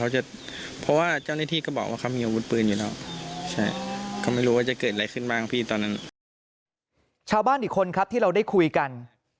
ชาวบ้านอีกคนครับที่เราได้คุยกัน